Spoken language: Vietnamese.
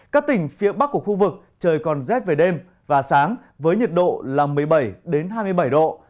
các tỉnh phía bắc của khu vực trời còn rét về đêm và sáng với nhiệt độ là một mươi bảy hai mươi bảy độ